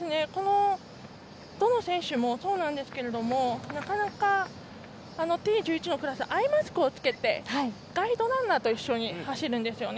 どの選手もそうなんですけれどもＴ１１のクラスアイマスクを着けてガイドランナーと一緒に走るんですよね。